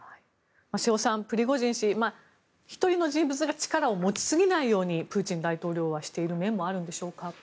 瀬尾さん、プリゴジン氏１人の人物が力を持ちすぎないようにプーチン大統領はしている面もあるんでしょうか。